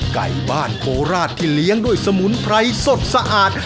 ไก่บ้านโคราชที่เลี้ยงด้วยสมุนไพรสดสะอาด